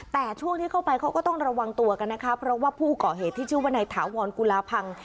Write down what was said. แต่ช่วงที่เข้าไปเขาก็ต้องระวังตัวกันนะคะเพราะว่าผู้ก่อเหตุที่ชื่อว่านายถาวรกุลาพัง